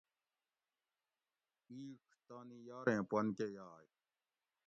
اِیڄ تانی یاریں پن کہ یائ